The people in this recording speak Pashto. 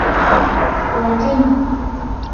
واټن